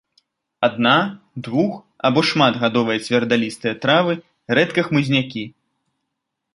Адна-, двух- або шматгадовыя цвердалістыя травы, рэдка хмызнякі.